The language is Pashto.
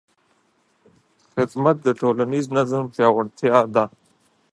خدمت د ټولنیز نظم پیاوړتیا ده.